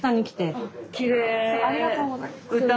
ありがとうございます。